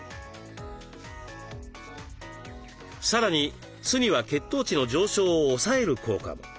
さらに酢には血糖値の上昇を抑える効果も。